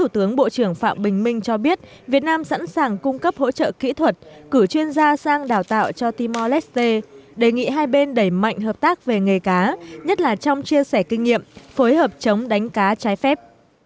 trong đó có hiệp định tương trợ kỹ thuật cử chuyên gia sang đào tạo cho timo leste đề nghị hai bên đẩy mạnh hợp tác về nghề cá nhất là trong chia sẻ kinh nghiệm phối hợp chống đánh cá trái phép